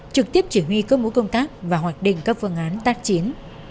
trực tiếp chỉ huy cơ mũ công tác và hoạch định các phương án tác chiến